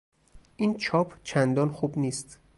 این چاپ چندان خوب نیست.